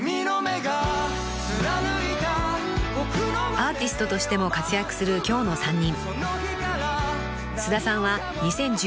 ［アーティストとしても活躍する今日の３人］